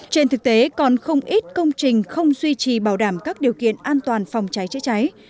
trên thực tế còn không ít công trình không duy trì bảo đảm các điều kiện an toàn phòng cháy chữa cháy